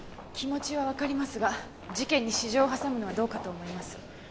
気持ちはわかりますが事件に私情を挟むのはどうかと思います。